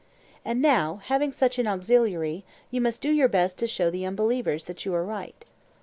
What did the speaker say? And now, having such an auxiliary, you must do your best to show the unbelievers that you are right.